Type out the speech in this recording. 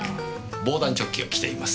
防弾チョッキを着ています。